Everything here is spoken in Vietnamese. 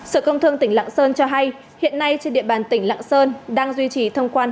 sở công thương tỉnh lạng sơn cho hay hiện nay trên địa bàn tỉnh lạng sơn đang duy trì thông quan